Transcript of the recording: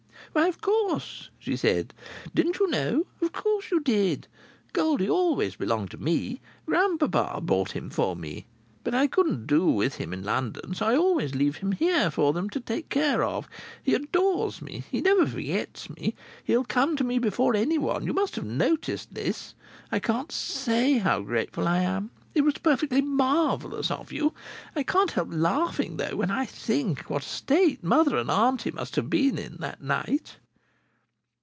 "Why, of course?" she said. "Didn't you know? Of course you did! Goldie always belonged to me. Grandpa bought him for me. But I couldn't do with him in London, so I always leave him here for them to take care of. He adores me. He never forgets me. He'll come to me before anyone. You must have noticed that. I can't say how grateful I am! It was perfectly marvellous of you! I can't help laughing, though, whenever I think what a state mother and auntie must have been in that night!"